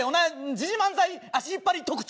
時事漫才の足引っ張り特徴！